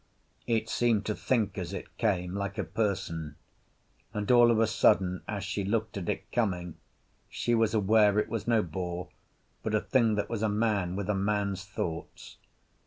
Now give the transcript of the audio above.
It seemed to think as it came, like a person; and all of a sudden, as she looked at it coming, she was aware it was no boar but a thing that was a man with a man's thoughts.